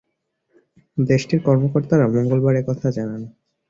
দেশটির কর্মকর্তারা মঙ্গলবার এ কথা জানান।